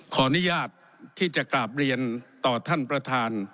ขออนุญาตที่จะกราบเรียนต่อท่านประธาน